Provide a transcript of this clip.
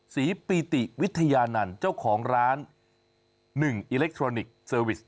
ปีติวิทยานันต์เจ้าของร้าน๑อิเล็กทรอนิกส์เซอร์วิส